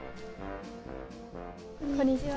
こんにちは。